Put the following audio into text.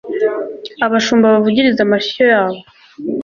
abashumba bavugiriza amashyo yabo